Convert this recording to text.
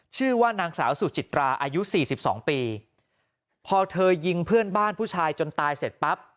ชื่อว่านางสาวสุจิตราอายุสี่สิบสองปีพอเธอยิงเพื่อนบ้านผู้ชายจนตายเสร็จปั๊บ